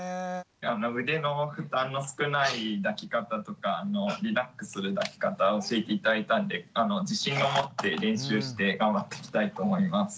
腕の負担の少ない抱き方とかリラックスする抱き方を教えて頂いたんで自信を持って練習して頑張っていきたいと思います。